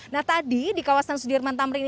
nah tadi di kawasan sudirman tamrin